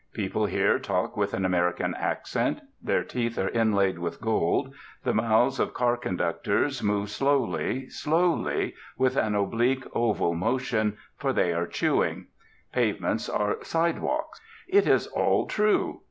People here talk with an American accent; their teeth are inlaid with gold; the mouths of car conductors move slowly, slowly, with an oblique oval motion, for they are chewing; pavements are 'sidewalks.' It is all true....